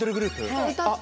あっ！